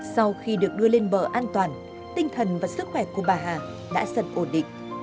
sau khi được đưa lên bờ an toàn tinh thần và sức khỏe của bà hà đã dần ổn định